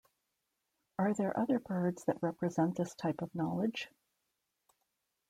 Are there other birds that represent this type of knowledge?